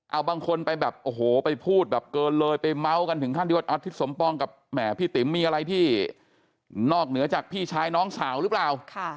เอาบางคนไปแบบโอ้โหไปพูดแบบเกินเลยไปเมาส์กันถึงขั้นที่ว่าทิศสมปองกับแหมพี่ติ๋มมีอะไรที่นอกเหนือจากพี่ชายน้องสาวหรือเปล่า